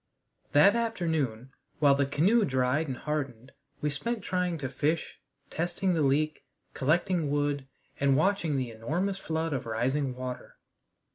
That afternoon, while the canoe dried and hardened, we spent trying to fish, testing the leak, collecting wood, and watching the enormous flood of rising water.